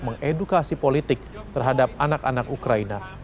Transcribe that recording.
mengedukasi politik terhadap anak anak ukraina